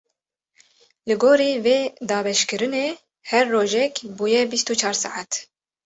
Li gorî vê dabeşkirinê, her rojek bûye bîst û çar saet.